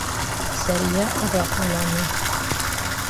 Сәриә оҙаҡ уйланы.